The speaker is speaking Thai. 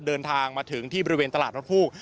เดินทางมาถึงที่บริเวณตลาดนกฮูก